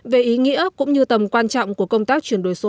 về ý nghĩa cũng như tầm quan trọng của công tác chuyển đổi số